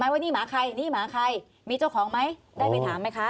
ว่านี่หมาใครนี่หมาใครมีเจ้าของไหมได้ไปถามไหมคะ